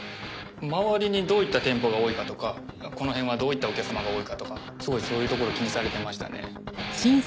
周りにどういった店舗が多いかとかこの辺はどういったお客様が多いかとかすごいそういうところを気にされてましたね。